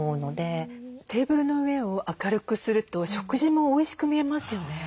テーブルの上を明るくすると食事もおいしく見えますよね。